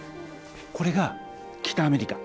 これが北アメリカ。